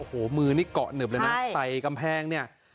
โอ้โหมือนี่เกาะหนึบเลยนะใส่กำแพงเนี่ย